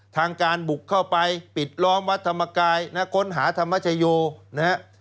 ทางการบุกเข้าไปปิดล้อมวัดธรรมกายนะค้นหาธรรมชโยนะฮะ